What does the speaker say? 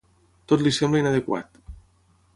Tot li sembla inadequat.